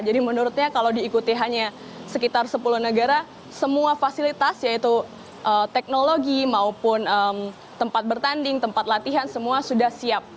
sebenarnya sekitar sepuluh negara semua fasilitas yaitu teknologi maupun tempat bertanding tempat latihan semua sudah siap